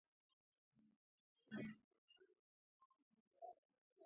غرور په څه کې دی؟